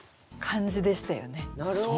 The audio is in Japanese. なるほど。